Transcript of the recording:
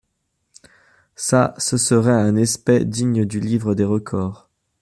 Ça, ce serait un espet digne du livre des records.